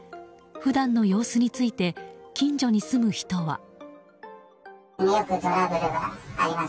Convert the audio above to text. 普段の様子について近所に住む人は。